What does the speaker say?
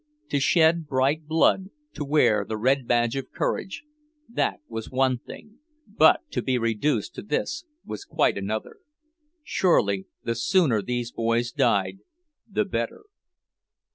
To shed bright blood, to wear the red badge of courage, that was one thing; but to be reduced to this was quite another. Surely, the sooner these boys died, the better.